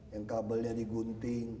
yang kabelnya digunting